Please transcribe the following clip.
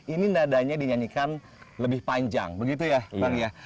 ini nadanya dinyanyikan lebih panjang begitu ya pak ria